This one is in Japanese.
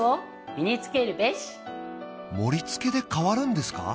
盛りつけで変わるんですか？